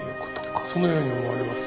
そのように思われます。